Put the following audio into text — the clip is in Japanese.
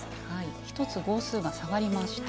１つ号数が下がりました。